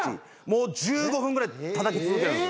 もう１５分ぐらいたたき続ける。